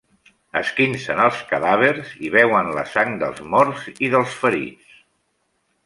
Esquincen els cadàvers i beuen la sang dels morts i dels ferits.